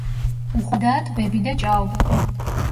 უხვადაა ტბები და ჭაობები.